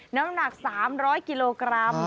น้ำหนัก๓๐๐กิโลกรัม